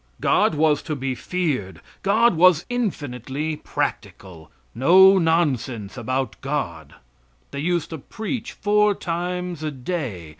God was to be feared; God was infinitely practical; no nonsense about God. They used to preach four times a day.